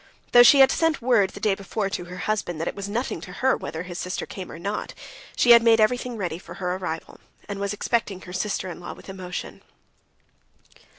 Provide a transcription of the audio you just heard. Though she had sent word the day before to her husband that it was nothing to her whether his sister came or not, she had made everything ready for her arrival, and was expecting her sister in law with emotion.